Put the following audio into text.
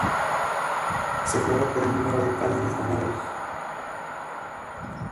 Se juega por el número de paneles ganados.